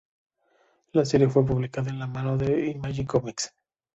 La serie fue publicada de la mano de Image Comics.